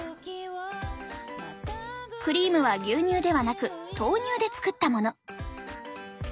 クリームは牛乳ではなく豆乳で作ったもの。